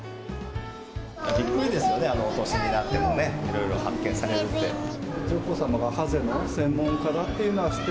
びっくりですよね、あのお年になってもね、いろいろ発見されるって。